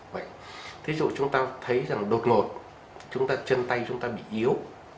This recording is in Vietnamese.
vậy thí dụ chúng ta thấy rằng đột ngột chúng ta chân tay chúng ta bị yếu